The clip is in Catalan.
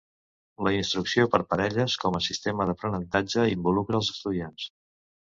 La instrucció per parelles com a sistema d'aprenentatge involucra els estudiants.